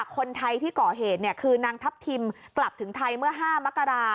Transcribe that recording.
คนไทยที่ก่อเหตุคือนางทัพทิมกลับถึงไทยเมื่อ๕มกรา